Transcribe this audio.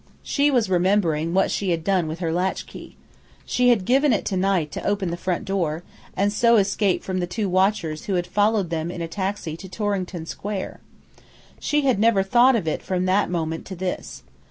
She was remembering what she had done with her latchkey. She had given it to Knight to open the front door, and so escape from the two watchers who had followed them in a taxi to Torrington Square. She had never thought of it from that moment to this.